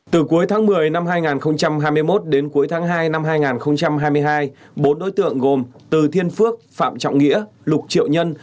từ cuối tháng một mươi năm hai nghìn hai mươi một đến cuối tháng hai năm hai nghìn hai mươi hai bốn đối tượng gồm từ thiên phước phạm trọng nghĩa lục triệu nhân